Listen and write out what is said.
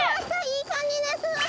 いい感じです